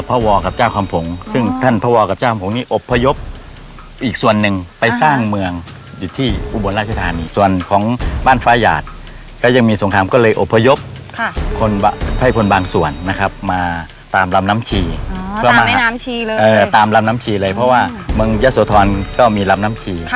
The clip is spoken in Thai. พระวรกับเจ้าคำผงซึ่งท่านพระวรกับเจ้าคำห